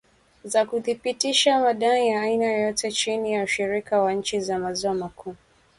za kuthibitisha madai ya aina yoyote chini ya ushirika wa nchi za maziwa makuu